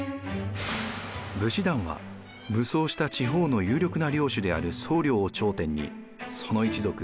武士団は武装した地方の有力な領主である惣領を頂点にその一族